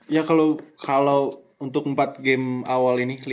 ya kalau untuk empat game awal ini